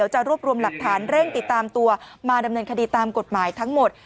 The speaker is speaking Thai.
จะรวบรวมหลักฐานเร่งติดตามตัวมาดำเนินคดีตามกฎหมายทั้งหมด